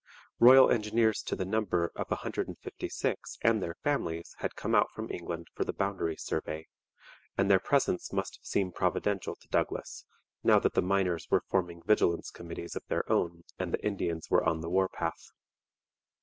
Royal Engineers to the number of a hundred and fifty six and their families had come out from England for the boundary survey; and their presence must have seemed providential to Douglas, now that the miners were forming vigilance committees of their own and the Indians were on the war path.